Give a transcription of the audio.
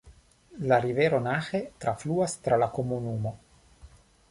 La rivero Nahe trafluas tra la komunumo.